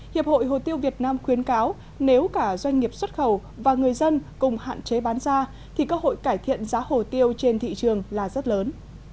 hiệp hội hồ tiêu việt nam khuyến cáo nếu cả doanh nghiệp xuất khẩu và người dân cùng hạn chế bán ra thì cơ hội cải thiện giá hồ tiêu trên thị trường là rất lớn